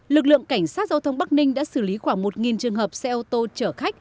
lực lượng cảnh sát giao thông bắc ninh đã xử lý khoảng một trường hợp xe ô tô chở khách